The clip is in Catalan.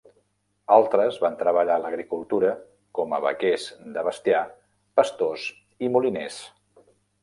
Altres van treballar a l'agricultura, com a vaquers de bestiar pastors i moliners.